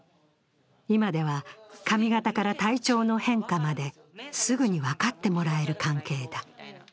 今では髪形から体調の変化まですぐに分かってもらえる関係だ。